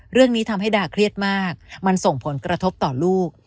เรื่องนี้ทำให้ดาเครียดมากมันส่งผลกระทบต่อลูก